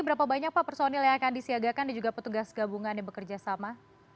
berapa banyak pak personil yang akan disiagakan dan juga petugas gabungan yang bekerja sama